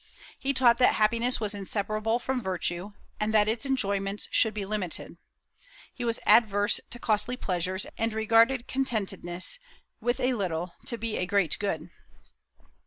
He taught that happiness was inseparable from virtue, and that its enjoyments should be limited. He was averse to costly pleasures, and regarded contentedness with a little to be a great good.